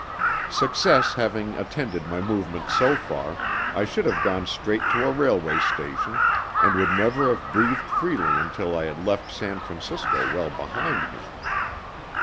Success having attended my movements so far, I should have gone straight to a railway station, and would never have breathed freely until I had left San Francisco well behind me.